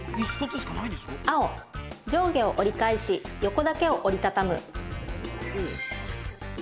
青・上下を折り返し横だけ折り畳む。